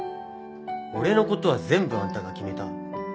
俺のことは全部あんたが決めた。